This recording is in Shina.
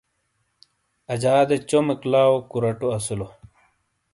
اَجادے چومیک لاؤ کُراٹو اَسِیلو۔